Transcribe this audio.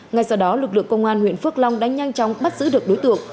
ngay sau đó lực lượng công an huyện phước long đã nhanh chóng bắt giữ được đối tượng